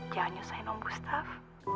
jangan nyusahin om gustaf